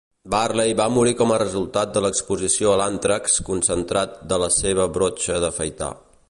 Farley va morir com a resultat de l"exposició a l"àntrax concentrat de la seva brotxa d'afaitar.